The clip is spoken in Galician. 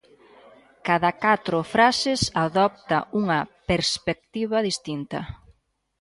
Cada catro frases adopta unha perspectiva distinta.